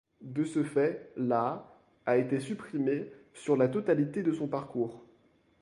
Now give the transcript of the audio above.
De ce fait, la a été supprimée sur la totalité de son parcours.